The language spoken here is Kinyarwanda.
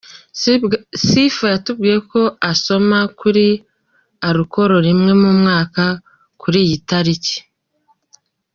Sifa yatubwiye ko asoma kuri alcool rimwe mu mwaka, kuri iyi taliki.